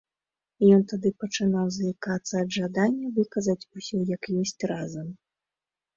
Ён тады пачынаў заікацца ад жадання выказаць усё як ёсць разам.